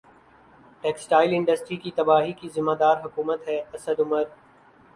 textile industry کی تباہی کی ذمہ دار حکومت ہے اسد عمر